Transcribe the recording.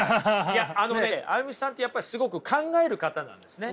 いやあのねＡＹＵＭＩさんってやっぱりすごく考える方なんですね。